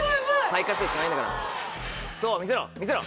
肺活量しかないんだからそう見せろ見せろ！